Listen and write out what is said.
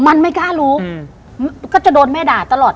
มันไม่กล้ารู้ก็จะโดนแม่ด่าตลอด